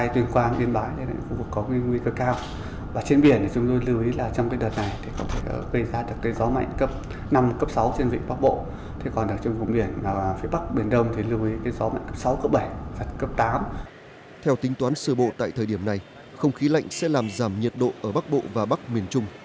theo tính toán sơ bộ tại thời điểm này không khí lạnh sẽ làm giảm nhiệt độ ở bắc bộ và bắc miền trung